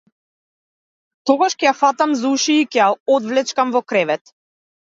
Тогаш ќе ја фатам за уши и ќе ја одвлечкам у кревет!